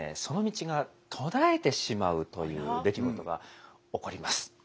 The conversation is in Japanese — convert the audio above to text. その道が途絶えてしまうという出来事が起こります。